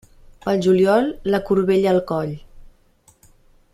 Pel juliol, la corbella al coll.